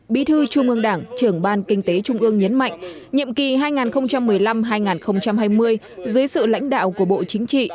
bí thư trung ương đảng trưởng ban kinh tế trung ương nhấn mạnh nhiệm kỳ hai nghìn một mươi năm hai nghìn hai mươi dưới sự lãnh đạo của bộ chính trị